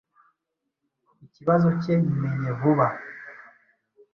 ikibazo cye nkimenye vuba,